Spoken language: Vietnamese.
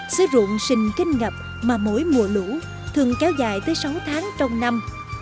sứ ruộng sinh kinh ngập mà mỗi mùa lũ thường kéo dài tới sáu tháng trong năm